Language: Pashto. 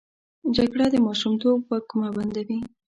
جګړه د ماشومتوب وږمه بندوي